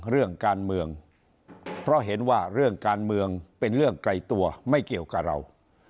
เรื่องการเมืองเพราะเห็นว่าเรื่องการเมืองเป็นเรื่องไกลตัวไม่เกี่ยวกับเรา